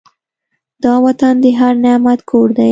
دا وطن د هر نعمت کور دی.